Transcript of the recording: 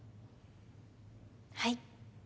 はい。